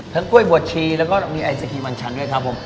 กล้วยบวชชีแล้วก็มีไอศครีมมันชันด้วยครับผม